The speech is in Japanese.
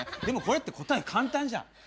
でもこれって答え簡単じゃん。